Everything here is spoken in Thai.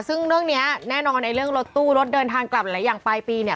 ซึ่งเรื่องนี้แน่นอนในเรื่องรถตู้รถเดินทางกลับหลายอย่างปลายปีเนี่ย